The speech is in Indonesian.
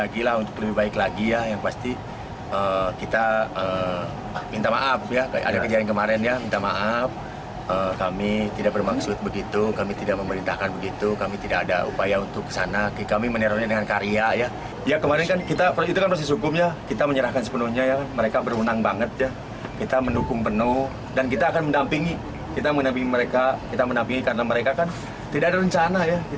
kita akan mendampingi kita mendampingi mereka kita mendampingi karena mereka kan tidak ada rencana ya